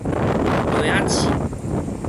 螺仔刺